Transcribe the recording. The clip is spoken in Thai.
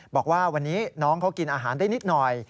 บอกว่าวันนี้น้องเขากินอาหารได้นิดหน่อย